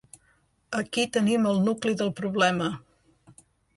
Aquí tenim el nucli del problema.